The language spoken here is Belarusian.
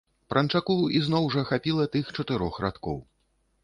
Пранчаку ізноў жа хапіла тых чатырох радкоў.